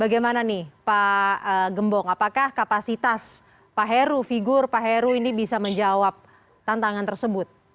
bagaimana nih pak gembong apakah kapasitas pak heru figur pak heru ini bisa menjawab tantangan tersebut